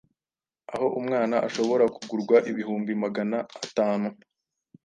aho umwana ashobora kugurwa ibihumbi Magana atanu